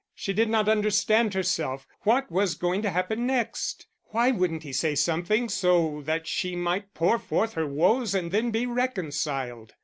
She did not understand herself what was going to happen next? Why wouldn't he say something so that she might pour forth her woes and then be reconciled!